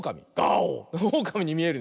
オオカミにみえるね。